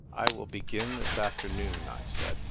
"I will begin this afternoon," I said.